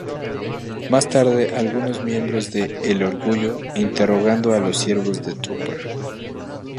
Más tarde algunos miembros de "El Orgullo" interrogando a los siervos de Topher.